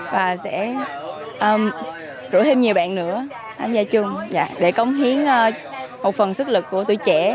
và sẽ rủ thêm nhiều bạn nữa tham gia chung để cống hiến một phần sức lực của tuổi trẻ